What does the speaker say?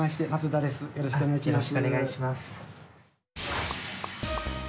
よろしくお願いします。